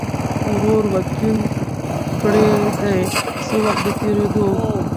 ورور وکیل کړي دی څه وخت د تېریدو